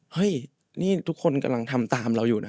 เฮ้ยนี่ทุกคนกำลังทำตามเราอยู่นะ